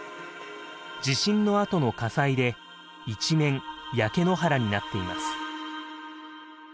地震のあとの火災で一面焼け野原になっています。